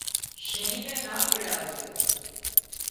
شينهن نين نا تيڙاوزي